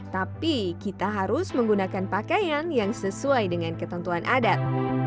tapi kita harus menggunakan pakaian yang sesuai dengan ketentuan adat